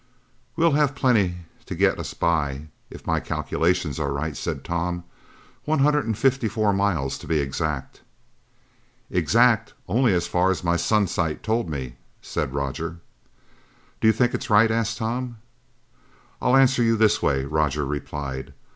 "We'll have plenty to get us by if my calculations are right," said Tom. "One hundred and fifty four miles to be exact." "Exact only as far as my sun sight told me," said Roger. "Do you think it's right?" asked Tom. "I'll answer you this way," Roger replied.